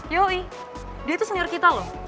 yoi dia tuh senior kita loh